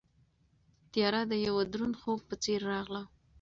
تیاره د یوه دروند خوب په څېر راغله.